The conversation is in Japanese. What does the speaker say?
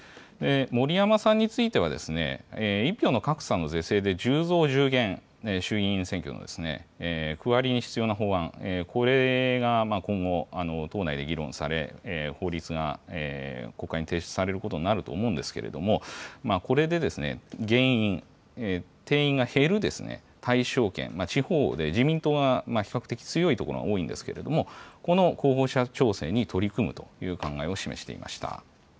森山さんについては、１票の格差の是正で１０増１０減、衆議院選挙の区割りに必要な法案、これが今後、党内で議論され、法律が国会に提出されることになると思うんですけれども、これで減員、減員、定員が減る対象県、地方で自民党が比較的強いところが多いんですけれども、この候補者調整に取り組むという考えを示していました。